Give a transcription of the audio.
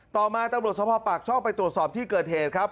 ต่อมาตำรวจสภาพปากช่องไปตรวจสอบที่เกิดเหตุครับ